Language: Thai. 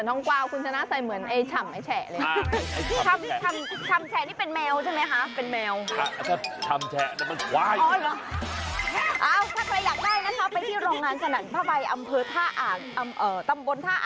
โอ้โฮสวยผ้าสวยมาก